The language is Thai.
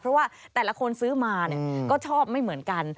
เพราะว่าแต่ละคนซื้อมาก็ชอบไม่เหมือนกัน